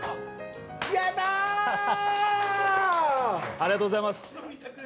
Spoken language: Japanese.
ありがとうございます。